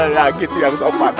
lagi tuh yang sopan